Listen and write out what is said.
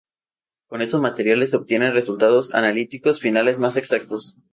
Con estos materiales se obtienen resultados analíticos finales más exactos.